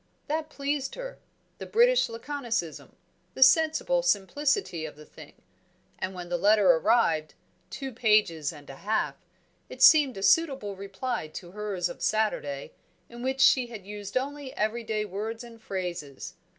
That pleased her; the British laconicism; the sensible simplicity of the thing! And when the letter arrived (two pages and a half) it seemed a suitable reply to hers of Saturday, in which she had used only everyday words and phrases.